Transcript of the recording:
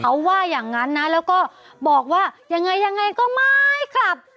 เขาว่าอย่างนั้นนะแล้วก็บอกว่ายังไงยังไงก็ไม่กลับ